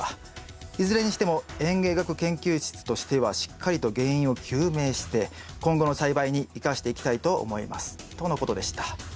いずれにしても園芸学研究室としてはしっかりと原因を究明して今後の栽培に生かしていきたいと思います」とのことでした。